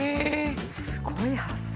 すごい発想。